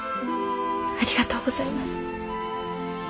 ありがとうございます。